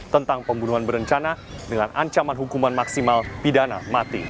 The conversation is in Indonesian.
tentang pembunuhan berencana dengan ancaman hukuman maksimal pidana mati